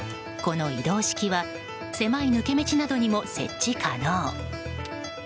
この移動式は狭い抜け道などにも設置可能。